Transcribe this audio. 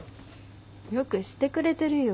よくしてくれてるよ